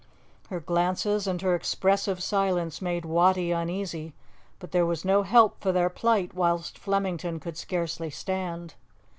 Her glances and her expressive silence made Wattie uneasy, but there was no help for their plight whilst Flemington could scarcely stand.